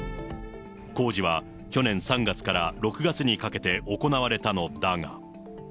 工事は去年３月から６月にかけて行われたのだが。